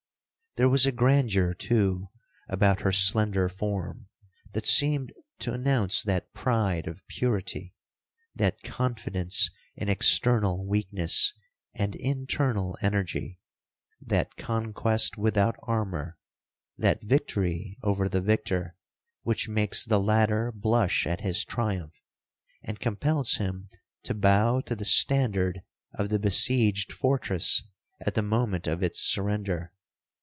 'There was a grandeur, too, about her slender form, that seemed to announce that pride of purity,—that confidence in external weakness, and internal energy,—that conquest without armour,—that victory over the victor, which makes the latter blush at his triumph, and compels him to bow to the standard of the besieged fortress at the moment of its surrender.